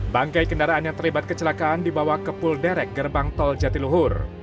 bangkai kendaraan yang terlibat kecelakaan dibawa ke pul derek gerbang tol jatiluhur